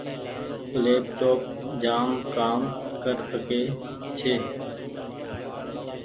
ليپ ٽوپ جآم ڪر ڪسي ڇي ۔